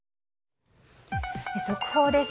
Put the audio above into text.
速報です。